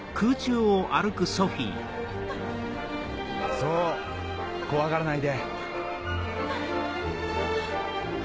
そう怖がらないで。